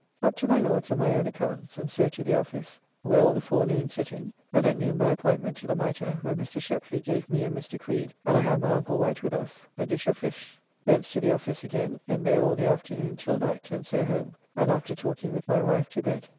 Up to my Lord's and my own accounts, and so to the office, where all the forenoon sitting, and at noon by appointment to the Mitre, where Mr. Shepley gave me and Mr. Creed, and I had my uncle Wight with us, a dish of fish. Thence to the office again, and there all the afternoon till night, and so home, and after talking with my wife to bed.